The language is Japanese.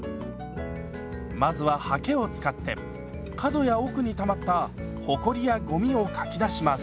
まずははけを使って角や奥にたまったほこりやごみをかき出します。